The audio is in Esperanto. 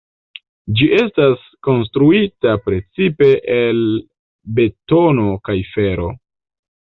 Ĝi estas konstruita precipe el betono kaj fero.